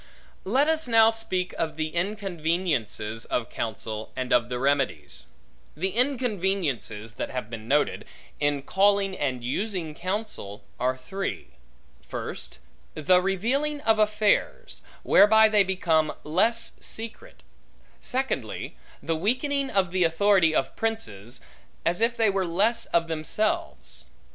Let us now speak of the inconveniences of counsel, and of the remedies. The inconveniences that have been noted, in calling and using counsel, are three. First, the revealing of affairs, whereby they become less secret. Secondly, the weakening of the authority of princes, as if they were less of themselves.